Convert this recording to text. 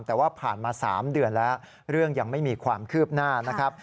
แต่ว่าผ่านมา๓เดือนแล้วเรื่องยังไม่มีความคืบหน้านะครับ